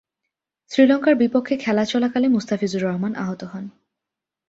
শ্রীলঙ্কার বিপক্ষে খেলা চলাকালে মুস্তাফিজুর রহমান আহত হন।